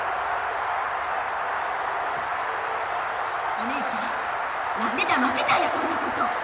お姉ちゃん何で黙ってたんやそんなこと！